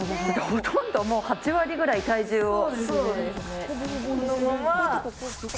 ほとんどもう８割ぐらい体重を。